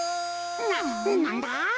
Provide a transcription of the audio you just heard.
ななんだ？